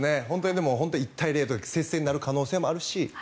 でも、１対０とか接戦になる可能性もあるし。